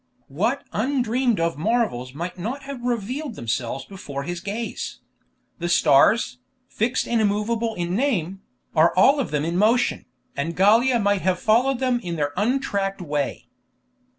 what undreamed of marvels might not have revealed themselves before his gaze! The stars, fixed and immovable in name, are all of them in motion, and Gallia might have followed them in their un tracked way.